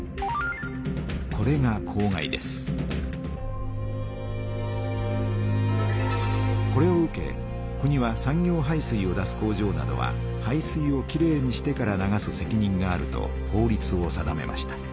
これがこれを受け国は産業排水を出す工場などは排水をきれいにしてから流すせきにんがあると法りつを定めました。